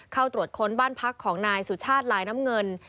เข้าตรวจค้นบ้านพักของนายสุชาติลายน้ำเงิน